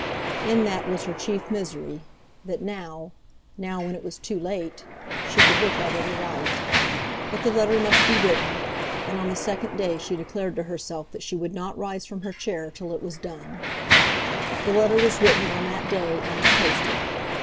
In that was her chief misery; that now, now when it was too late, she could look at it aright. But the letter must be written, and on the second day she declared to herself that she would not rise from her chair till it was done. The letter was written on that day and was posted.